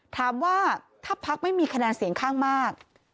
ถามว่าถ้าพักไม่มีคะแนนเสียงข้างมาก